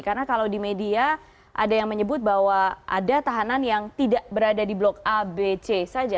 karena kalau di media ada yang menyebut bahwa ada tahanan yang tidak berada di blok a b c saja